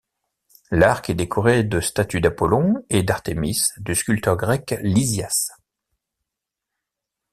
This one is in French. L'arc est décoré de statues d'Apollon et d'Artémis du sculpteur grec Lysias.